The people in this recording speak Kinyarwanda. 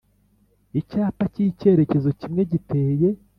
Icyapa cy’icyerekezo kimwe giteye